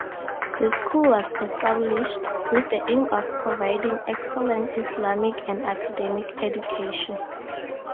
The School was established with the aim of providing excellent Islamic and academic education.